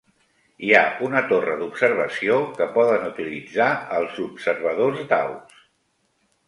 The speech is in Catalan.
Hi ha una torre d'observació que poden utilitzar els observadors d'aus.